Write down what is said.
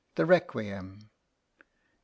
The Requiem. 18.